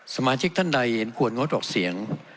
สมาชิกท่านใดเห็นควรงดออกเสียง